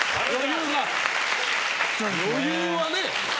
余裕はね。